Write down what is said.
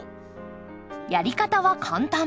やり方は簡単。